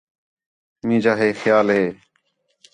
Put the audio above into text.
مینجا ہے خیال ہے